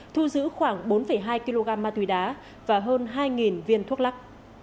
thu giữ khoảng bốn hai kg ma túy đá và hơn hai viên thuốc lắc